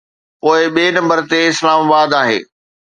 پوءِ ٻئي نمبر تي اسلام آباد آهي.